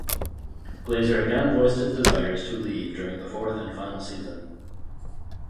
Glaser again voiced his desires to leave during the fourth and final season.